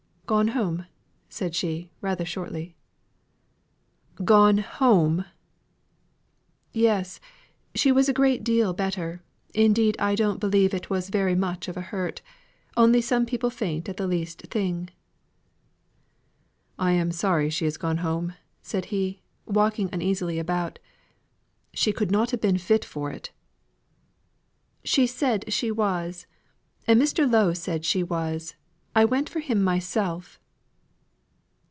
"Gone home," said she, rather shortly. "Gone home!" "Yes. She was a great deal better. Indeed, I don't believe it was so very much of a hurt; only some people faint at the least thing." "I am sorry she has gone home," said he, walking uneasily about. "She could not have been fit for it." "She said she was; and Mr. Lowe said she was. I went for him myself."